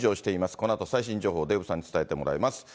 このあと最新情報、デーブさんに伝えてもらいます。